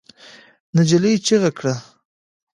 نجلۍ چیغه کړه.